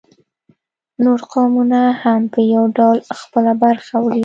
نور قومونه هم په یو ډول خپله برخه وړي